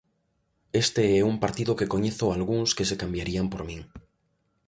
Este é un partido que coñezo algúns que se cambiarían por min.